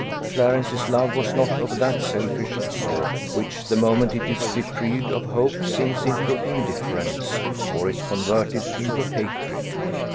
Clarence's love was not of that selfish sort which the moment that it is deprived of hope sinks into indifference, or is converted into hatred.